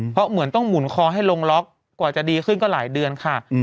เพราะเหมือนต้องหมุนคอให้ลงล็อกกว่าจะดีขึ้นก็หลายเดือนค่ะ